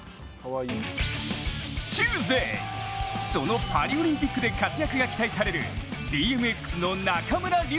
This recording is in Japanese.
チューズデー、そのパリオリンピックで活躍が期待されるＢＭＸの中村輪